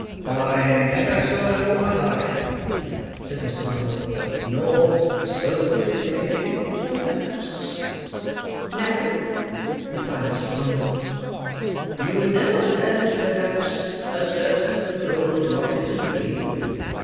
"I never saw him in all my life," said Mr. Bumble. "Nor sold him anything, perhaps?" "No," replied Mrs. Bumble. "You never had, perhaps, a certain gold locket and ring?"